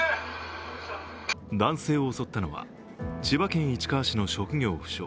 男性を襲ったのは千葉県市川市の職業不詳